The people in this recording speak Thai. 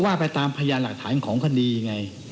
ว่าไปตามพยานหลักฐานของคดีไง